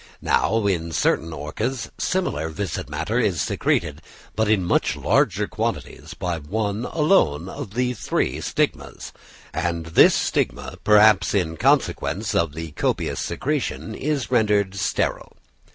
Now, in certain orchids similar viscid matter is secreted, but in much larger quantities by one alone of the three stigmas; and this stigma, perhaps in consequence of the copious secretion, is rendered sterile.